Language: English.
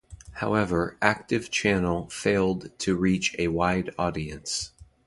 However Active Channel failed to reach a wide audience.